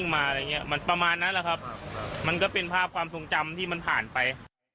มันประมาณนั้นแหละครับมันก็เป็นภาพความทรงจำที่มันผ่านไป